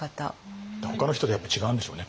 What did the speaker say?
ほかの人とやっぱ違うんでしょうね。